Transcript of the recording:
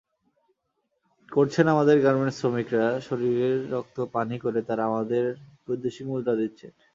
করছেন আমাদের গার্মেন্টস-শ্রমিকেরা, শরীরের রক্ত পানি করে তাঁরা আমাদের বৈদেশিক মুদ্রা দিচ্ছেন।